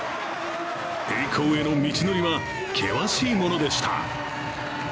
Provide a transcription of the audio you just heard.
栄光への道のりは険しいものでした。